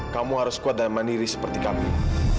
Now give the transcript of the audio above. kamu harus kuat dan mandiri seperti kami